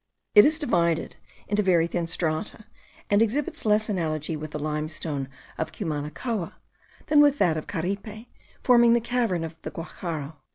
It is divided into very thin strata, and exhibits less analogy with the limestone of Cumanacoa, than with that of Caripe, forming the cavern of the Guacharo.